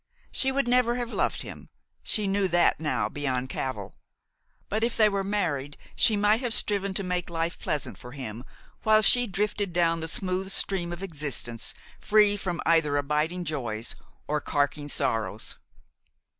She would never have loved him, she knew that now beyond cavil, but if they were married she must have striven to make life pleasant for him, while she drifted down the smooth stream of existence free from either abiding joys or carking sorrows.